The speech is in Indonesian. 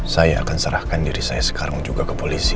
saya akan serahkan diri saya sekarang juga ke polisi